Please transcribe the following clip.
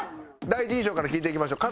第一印象から聞いていきましょう。